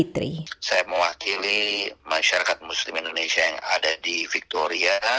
saya mewakili masyarakat muslim indonesia yang ada di victoria